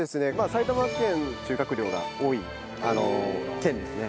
埼玉県収穫量が多い県ですね。